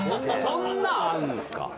そんなんあるんですか？